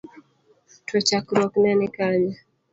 To chandruok ne ni kanye?